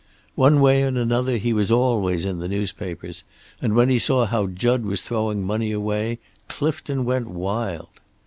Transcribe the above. "One way and another he was always in the newspapers, and when he saw how Jud was throwing money away Clifton went wild.